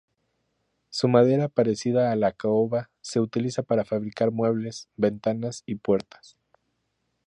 Su madera parecida a la caoba, se utiliza para fabricar muebles, ventanas y puertas.